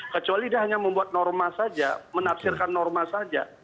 kecuali dia hanya membuat norma saja menafsirkan norma saja